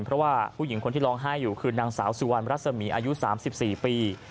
เพราะว่าผู้หญิงคนที่ร้องไห้อยู่คือนางสาวสุวรรณรัศมีอายุ๓๔ปี